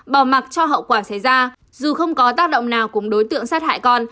bỏ mặt cho hậu quả xảy ra dù không có tác động nào cùng đối tượng sát hại con